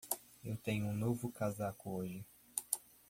Eu tenho um novo casaco hoje.